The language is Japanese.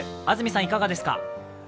安住さん、いかがですか。